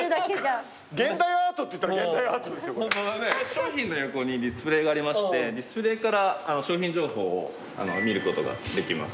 商品の横にディスプレーがありましてディスプレーから商品情報を見ることができます。